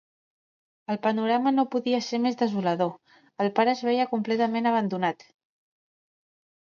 El panorama no podia ser més desolador... el pare es veia completament abandonat.